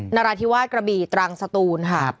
นรธิวาสกระบีตรางสตูนครับ